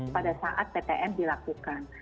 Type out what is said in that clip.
pada saat ptm dilakukan